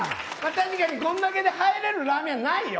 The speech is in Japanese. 確かにこれだけ入れるラーメン屋はないよ。